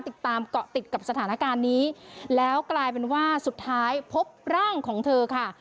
เกาะติดกับสถานการณ์นี้แล้วกลายเป็นว่าสุดท้ายพบร่างของเธอค่ะ